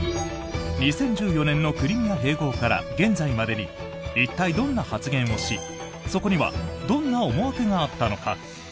２０１４年のクリミア併合から現在までに一体どんな発言をしそこにはどんな思惑があったのか？